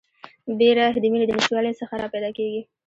بیره د میني د نشتوالي څخه راپیدا کیږي